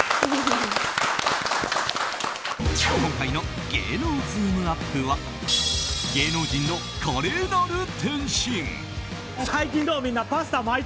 今回の芸能ズームＵＰ！は芸能人の華麗なる転身。